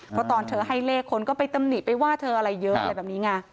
เพราะตอนเธอให้เลขคนก็ไปตำหนิไปว่าเธออะไรเยอะอะไรแบบนี้ไง